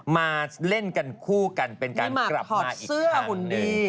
มาเล่นกันคู่กันเป็นการกลับมาอีกครั้งนึงนี่มาถอดเสื้อหุ่นดี